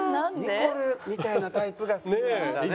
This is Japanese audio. ニコルみたいなタイプが好きなんだね。